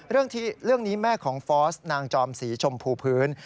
เรื่องนี้แม่ของฟอสนางจอมศรีชมพูพื้น